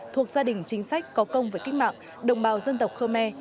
thuộc gia đình chính sách có công với kích mạng đồng bào dân tộc khơ me